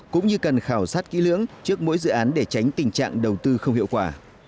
cũng như cần khảo sát kỹ lưỡng trước mỗi dự án để tránh tình trạng đầu tư không hiệu quả